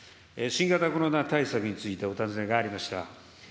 新型コロナ対策について、お尋ねがありました。